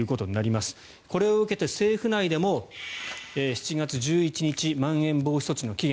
これを受けて政府内でも７月１１日まん延防止措置の期限